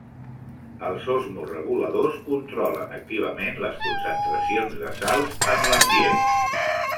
Els osmoreguladors controlen activament les concentracions de sals en l'ambient.